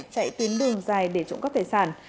chạy tuyến đường dài để trụng cấp tài sản